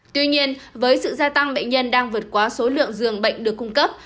tuy nhiên với sự gia tăng bệnh nhân đang vượt qua số lượng dường bệnh được cung cấp